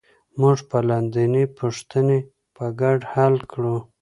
موږ به لاندینۍ پوښتنې په ګډه حل کړو